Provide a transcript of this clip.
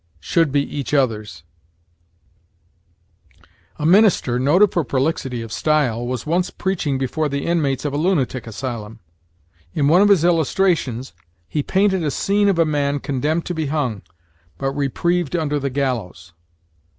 Should be each other's. "A minister, noted for prolixity of style, was once preaching before the inmates of a lunatic asylum. In one of his illustrations he painted a scene of a man condemned to be hung, but reprieved under the gallows."